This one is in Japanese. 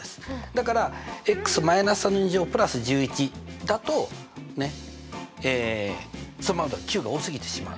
だから＋１１だとそのままだと９が多すぎてしまう。